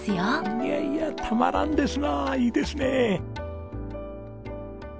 いやいやたまらんですないいですねえ！